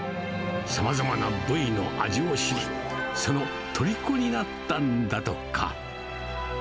さまざまな部位の味を知り、そのとりこになったんだとか。